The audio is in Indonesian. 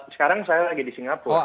sekarang saya lagi di singapura